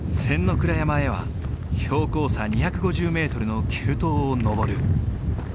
倉山へは標高差２５０メートルの急登を登る。